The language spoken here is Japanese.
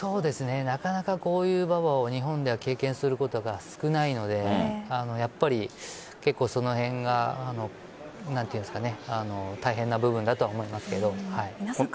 なかなかこういう馬場を日本で経験することが少ないので結構その辺が大変な部分だと思いますけど。